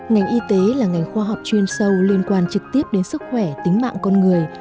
ngành y tế là ngành khoa học chuyên sâu liên quan trực tiếp đến sức khỏe tính mạng con người